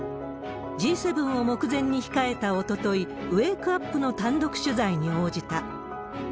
Ｇ７を目前に控えたおととい、ウェークアップの単独取材に応じた。